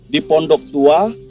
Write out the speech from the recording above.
di pondok tua